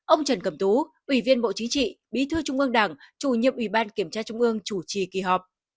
ông trần cẩm tú ủy viên bộ chính trị bí thư trung ương đảng chủ nhiệm ủy ban kiểm tra trung ương chủ trì kỳ họp